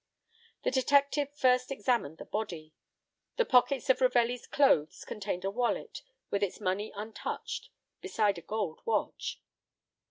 The detective first examined the body. The pockets of Ravelli's clothes contained a wallet, with its money untouched, beside a gold watch.